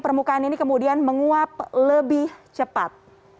permukaan ini kemudian menguap lebih cepat